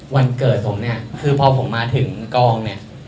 วันเกิดผมเนี่ยคือพอผมมาถึงกองเนี่ย